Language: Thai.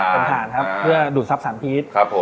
เป็นผ่านเพื่อดูดทรัพย์สามพิษ